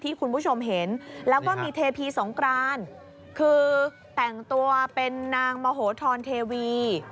คุณผู้ชมเห็นแล้วก็มีเทพีสงกรานคือแต่งตัวเป็นนางมโหธรเทวี